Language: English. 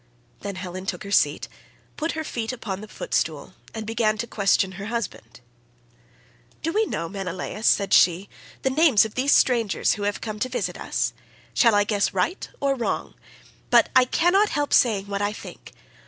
Then Helen took her seat, put her feet upon the footstool, and began to question her husband.42 "Do we know, Menelaus," said she, "the names of these strangers who have come to visit us? Shall I guess right or wrong?—but I cannot help saying what I think.